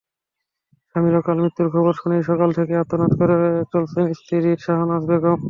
স্বামীর অকাল মৃত্যুর খবর শুনেই সকাল থেকে আর্তনাদ করে চলেছেন স্ত্রী শাহনাজ বেগম।